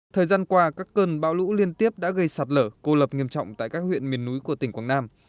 thời gian qua các cơn bão lũ liên tiếp đã gây sạt lở cô lập nghiêm trọng tại các huyện miền núi của tỉnh quảng nam